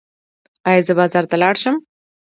ایا زه بازار ته لاړ شم؟